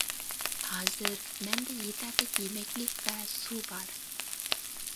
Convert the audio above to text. ھازىر مەندە يېتەرلىك يېمەكلىك ۋە سۇ بار.